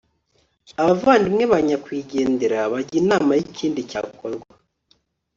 abavandimwe ba nyakwigendera bajya inama y'ikindi cyakorwa